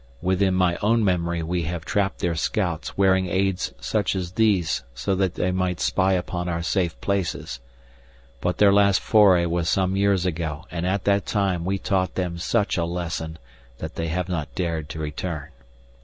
"Within my own memory we have trapped their scouts wearing aids such as these so that they might spy upon our safe places. But their last foray was some years ago and at that time we taught them such a lesson that they have not dared to return.